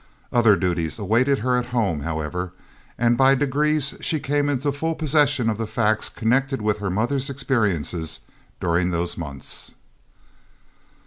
Other duties awaited her at home, however, and by degrees she came into full possession of the facts connected with her mother's experiences during those months.